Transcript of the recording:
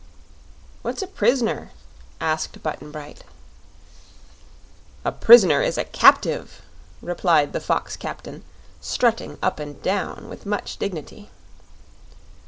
"What's a pris'ner?" asked Button Bright. "A prisoner is a captive," replied the fox captain, strutting up and down with much dignity.